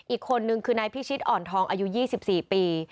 อีกคนนึงคือนายพิชิตอ่อนทองอายุ๒๔ปี